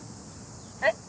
えっ。